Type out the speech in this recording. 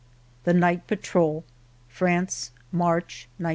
THE NIGHT PATROL France, March 1916.